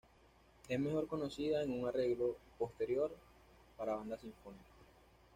Es mejor conocida en un arreglo" posterior para banda sinfónica.